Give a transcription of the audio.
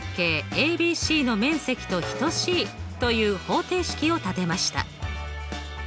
ＡＢＣの面積と等しいという方程式を立てました。